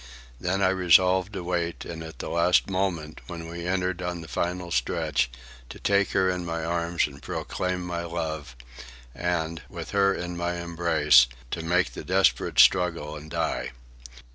Then I resolved to wait, and at the last moment, when we entered on the final stretch, to take her in my arms and proclaim my love, and, with her in my embrace, to make the desperate struggle and die.